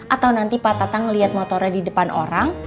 atau nanti pak tatang ngeliat motornya di depan orang